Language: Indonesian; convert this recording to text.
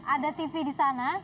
ada tv di sana